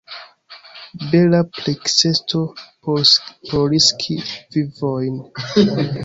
Bela preteksto por riski vivojn!